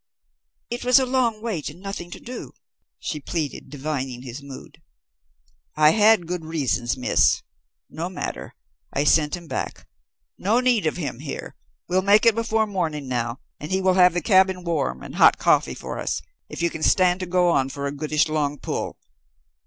"It was long to wait, and nothing to do," she pleaded, divining his mood. "I had good reasons, Miss. No matter. I sent him back. No need of him here. We'll make it before morning now, and he will have the cabin warm and hot coffee for us, if you can stand to go on for a goodish long pull."